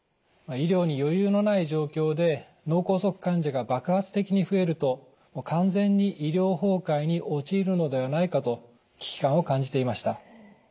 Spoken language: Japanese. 医療に余裕のない状況で脳梗塞患者が爆発的に増えると完全に医療崩壊に陥るのではないかと危機感を感じていました。